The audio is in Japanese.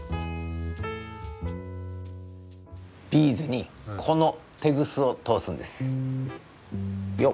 ビーズにこのテグスを通すんです。